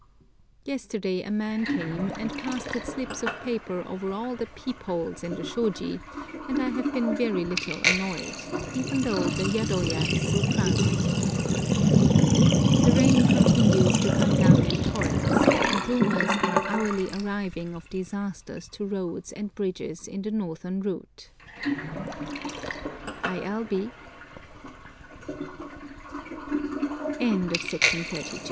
Yesterday a man came and pasted slips of paper over all the "peep holes" in the shôji, and I have been very little annoyed, even though the yadoya is so crowded. The rain continues to come down in torrents, and rumours are hourly arriving of disasters to roads and bridges on the northern route. I. L. B. LETTER XXVII. Go